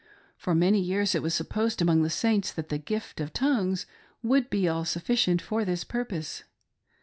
For many years, it was supposed among the Saints that the " Gift of Tongues" would be all suffi cient for this purpose.